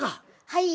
はい。